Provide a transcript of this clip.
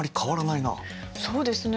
そうですね。